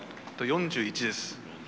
４１です。